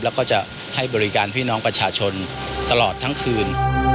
แล้วก็จะให้บริการพี่น้องประชาชนตลอดทั้งคืน